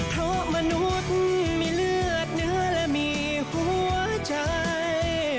เพราะมนุษย์มีเลือดเนื้อและมีหัวใจ